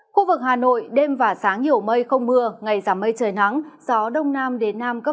khu vực hà nội đêm và sáng nhiều mây không mưa ngày giảm mây trời nắng gió đông nam đến nam cấp ba